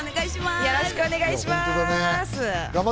よろしくお願いします。